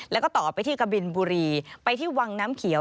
แล้วก็ต่อไปที่กะบินบุรีไปที่วังน้ำเขียว